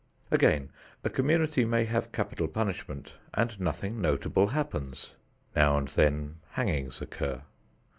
Again, a community may have capital punishment and nothing notable happens. Now and then hangings occur.